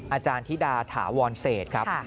อาจารย์ธิดาถาวรเศษครับ